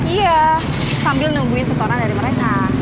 iya sambil nungguin setoran dari mereka